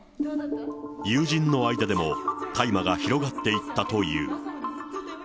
友人の間でも大麻が広がっていったという。